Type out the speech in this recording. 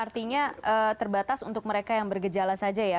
artinya terbatas untuk mereka yang bergejala saja ya